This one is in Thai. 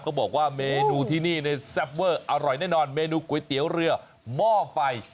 บอกว่าเมนูที่นี่แซ่บเวอร์อร่อยแน่นอนเมนูก๋วยเตี๋ยวเรือหม้อไฟ